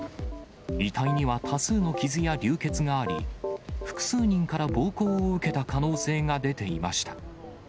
遺体には多数の傷や流血があり、複数人から暴行を受けた可能性が出ていました。